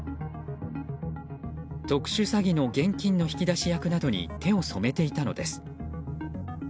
特殊詐欺の現金の引き出し役などに手を染めていたのです。